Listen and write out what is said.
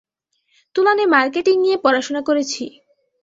তুলানে marketing নিয়ে পড়াশোনা করেছি।